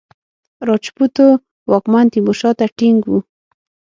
راجپوتو واکمن تیمورشاه ته ټینګ وو.